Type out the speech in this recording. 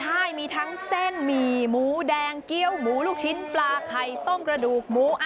ใช่มีทั้งเส้นหมี่หมูแดงเกี้ยวหมูลูกชิ้นปลาไข่ต้มกระดูกหมู